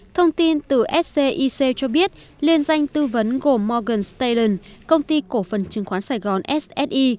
thông tin từ scic cho biết liên danh tư vấn gồm morgan stalen công ty cổ phần chứng khoán sài gòn ssi